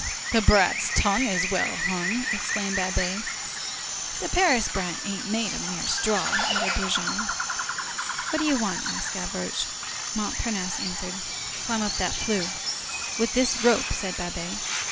"The brat's tongue's well hung!" exclaimed Babet. "The Paris brat ain't made of straw," added Brujon. "What do you want?" asked Gavroche. Montparnasse answered:— "Climb up that flue." "With this rope," said Babet.